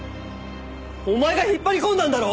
お前が引っ張り込んだんだろ！